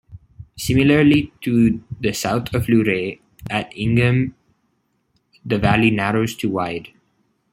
Similarly to the south of Luray, at Ingham, the valley narrows to wide.